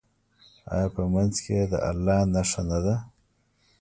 آیا په منځ کې یې د الله نښه نه ده؟